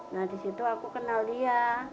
nah di situ aku kenal dia